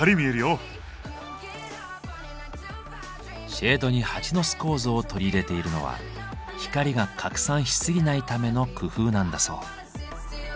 シェードにハチの巣構造を取り入れているのは光が拡散しすぎないための工夫なんだそう。